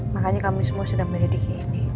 makanya kami semua sedang mendidiki ini